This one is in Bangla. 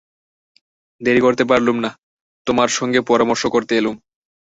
দেরি করতে পারলুম না, তোমার সঙ্গে পরামর্শ করতে এলুম।